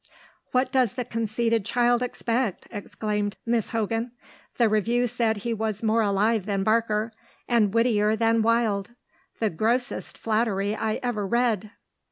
"What does the conceited child expect?" exclaimed Miss Hogan. "The review said he was more alive than Barker, and wittier than Wilde. The grossest flattery I ever read!"